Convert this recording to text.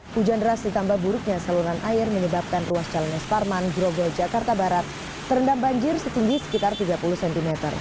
hujan deras ditambah buruknya saluran air menyebabkan ruas jalan es parman grogol jakarta barat terendam banjir setinggi sekitar tiga puluh cm